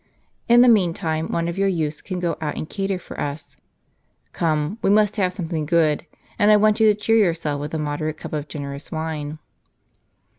In the mean time one of your youths can go out and cater for us. Come, we must have something good ; and I want you to cheer your self with a moderate cup of generous wine."